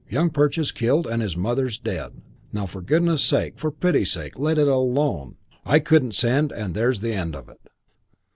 Young Perch is killed and his mother's dead. Now for goodness' sake, for pity's sake, let it alone. I couldn't send and there's the end of it."